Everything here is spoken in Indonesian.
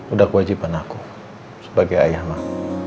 udah kewajiban aku sebagai ayah mah